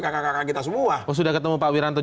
kakak kakak kita semua oh sudah ketemu pak wiratong